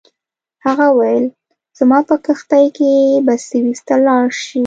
هغه وویل زما په کښتۍ کې به سویس ته لاړ شې.